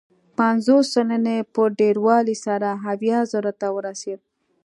پنځوس سلنې په ډېروالي سره اویا زرو ته ورسېد.